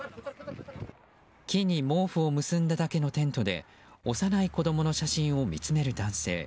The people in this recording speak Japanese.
木に毛布を結んだだけのテントで幼い子供の写真を見つめる男性。